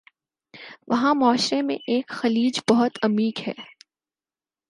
وہاں معاشرے میں ایک خلیج بہت عمیق ہے